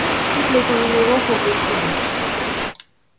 Toutes les combinaisons sont possibles.